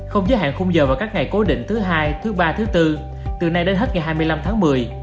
không giới hạn khung giờ vào các ngày cố định thứ hai thứ ba thứ bốn từ nay đến hết ngày hai mươi năm tháng một mươi